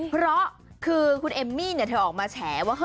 เพราะคือคุณเอมมี่เธอออกมาแฉว่า